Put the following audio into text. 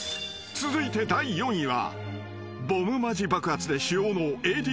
［続いて第３位は］